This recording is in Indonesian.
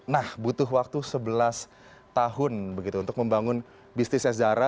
nah butuh waktu sebelas tahun untuk membangun bisnis zara